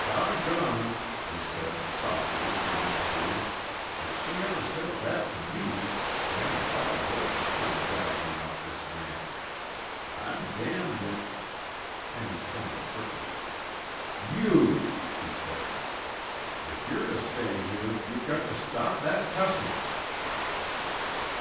"Doggone," he said softly and wistfully, "if she ever said that tuh me a span o' wild hosses couldn't drag me off this ranch. I'm damned if " Penny turned quickly. "You!" she said. "If you're to stay here, you've got to stop that cussing."